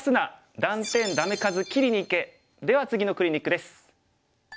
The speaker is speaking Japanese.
では次のクリニックです。